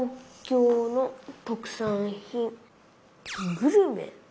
グルメ？